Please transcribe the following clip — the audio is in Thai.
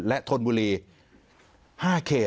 และธนบุรี๕เขต